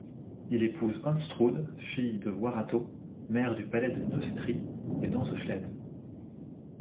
Il épouse Anstrude, fille de Waratto, maire du palais de Neustrie, et d'Anseflède.